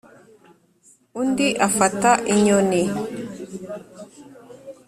undi afata inyoni